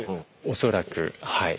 恐らくはい。